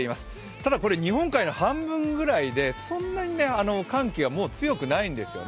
ただ、これは日本海の半分くらいでそんなに寒気は強くないんですよね。